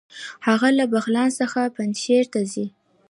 هغه له بغلان څخه پنجهیر ته ځي.